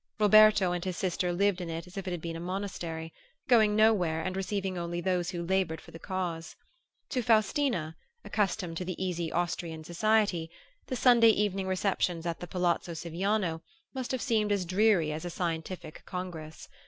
Roberto and his sister lived in it as if it had been a monastery, going nowhere and receiving only those who labored for the Cause. To Faustina, accustomed to the easy Austrian society, the Sunday evening receptions at the palazzo Siviano must have seemed as dreary as a scientific congress.